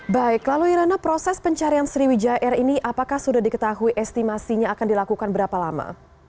baik lalu irana proses pencarian sriwijaya air ini apakah sudah diketahui estimasinya akan dilakukan berapa lama